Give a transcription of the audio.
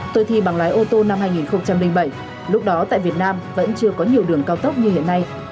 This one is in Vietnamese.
tôi thi bằng lái ô tô năm hai nghìn bảy lúc đó tại việt nam vẫn chưa có nhiều đường cao tốc như hiện nay